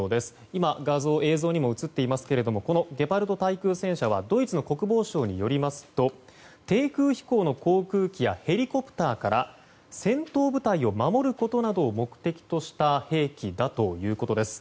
今、映像にも映っていますけど「ゲパルト対空戦車」はドイツの国防省によりますと低空飛行の航空機やヘリコプターから戦闘部隊を守ることなどを目的とした兵器だということです。